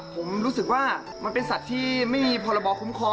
ผมรู้สึกว่ามันเป็นสัตว์ที่ไม่มีพรบคุ้มครอง